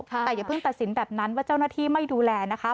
แต่อย่าเพิ่งตัดสินแบบนั้นว่าเจ้าหน้าที่ไม่ดูแลนะคะ